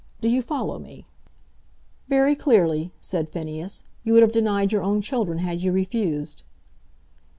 Do you follow me?" "Very clearly," said Phineas. "You would have denied your own children had you refused."